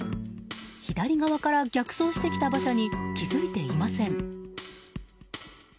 左側から逆走してきた馬車に気付いていません。